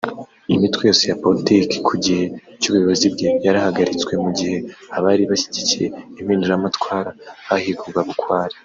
Imitwe yose ya Politiki ku gihe cy’ubuyobozi bwe yarahagaritswe mu gihe abari bashyigikiye impinduramatwara bahigwaga bukware